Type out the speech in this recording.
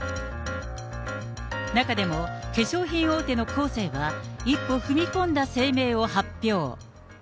中でも化粧品大手のコーセーは、一歩踏み込んだ声明を発表。